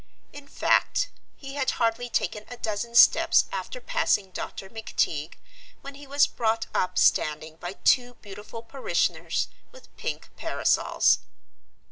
In fact, he had hardly taken a dozen steps after passing Dr. McTeague when he was brought up standing by two beautiful parishioners with pink parasols.